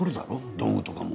道具とかでも。